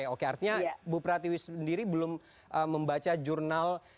oke artinya bu pratiwi sendiri belum membaca jurnal